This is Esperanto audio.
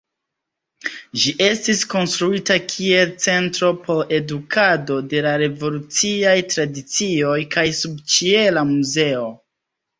Ĝi estis konstruita kiel centro por edukado de la revoluciaj tradicioj kaj subĉiela muzeo.